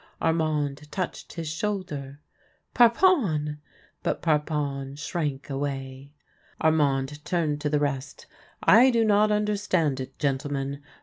Armand touched his shoulder. " Parpon !" But Parpon shrank away. Armand turned to the rest. " I do not understand it, gentlemen.